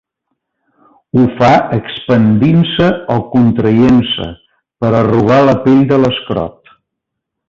Ho fa expandint-se o contraient-se per arrugar la pell de l'escrot.